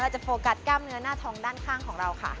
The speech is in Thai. จะโฟกัสกล้ามเนื้อหน้าทองด้านข้างของเราค่ะ